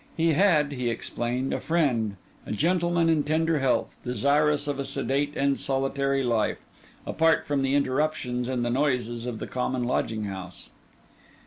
He had (he explained) a friend, a gentleman in tender health, desirous of a sedate and solitary life, apart from interruptions and the noises of the common lodging house.